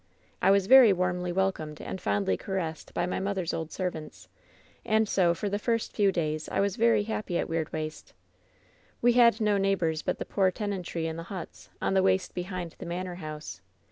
"I was very warmly welcomed and fondly caressed by my mother's old servants, and so for the first few days I was very happy at Weirdwaste. "We had no neighbors but the poor tenantry in the huts, on the waste behind the manor house.